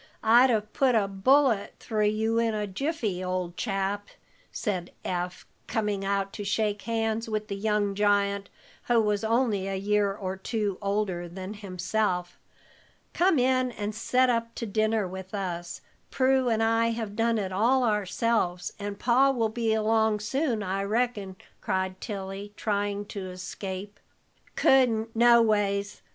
I'd have put a bullet through you in a jiffy, old chap," said Eph, coming out to shake hands with the young giant, who was only a year or two older than himself. "Come in and set up to dinner with us. Prue and I have done it all ourselves, and Pa will be along soon, I reckon," cried Tilly, trying to escape. "Couldn't, no ways.